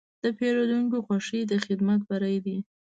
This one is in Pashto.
د پیرودونکي خوښي د خدمت بری دی.